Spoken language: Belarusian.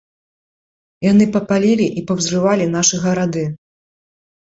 Яны папалілі і паўзрывалі нашы гарады.